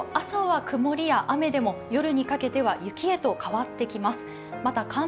北陸地方、朝は曇りや雨でも夜にかけては雪へと変わってきます。